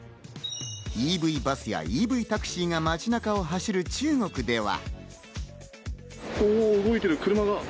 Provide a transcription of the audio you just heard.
ＥＶバスやＥＶタクシーが街中を走る中国では。